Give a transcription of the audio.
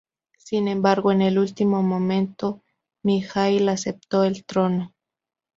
Sin embargo, en el último momento, Mijaíl aceptó el trono.